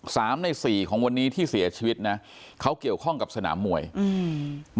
ในสี่ของวันนี้ที่เสียชีวิตนะเขาเกี่ยวข้องกับสนามมวยอืม